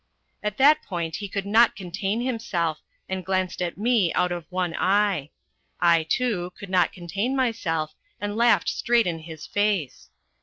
At that point he could not contain himself, and glanced at me out of one eye. I, too, could not contain myself, and laughed straight in his face.